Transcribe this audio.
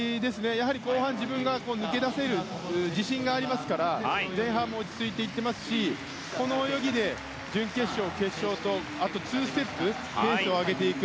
やはり後半、自分が抜け出せる自信がありますから前半も落ち着いていっていますしこの泳ぎで準決勝、決勝とあと２ステップテンションを上げていく。